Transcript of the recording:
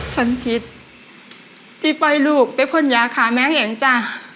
ฉันผิดที่ปล่อยลูกไปพ่นยาขาแม่เองจ้ะ